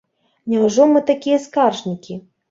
Няўжо мы такія скаржнікі?